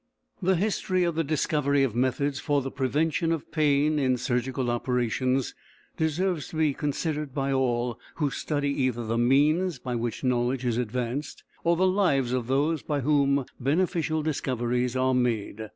] The history of the discovery of methods for the prevention of pain in surgical operations deserves to be considered by all who study either the means by which knowledge is advanced or the lives of those by whom beneficial discoveries are made.